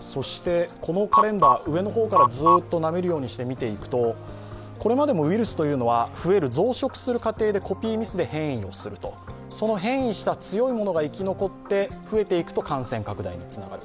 そしてこのカレンダー、上の方からずっとなめるようにして見ていくと、これまでもウイルスというの増殖する過程で変異をする、その変異した強いものが生き残って増えていくと感染拡大につながる。